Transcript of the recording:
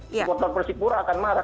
supporter persipura akan marah